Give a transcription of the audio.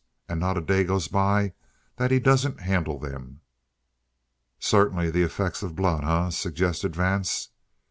And not a day goes by that he doesn't handle them." "Certainly the effect of blood, eh?" suggested Vance.